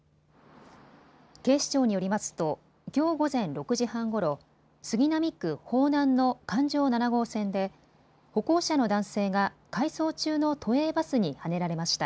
警視庁によりますときょう午前６時半ごろ、杉並区方南の環状七号線で歩行者の男性が回送中の都営バスにはねられました。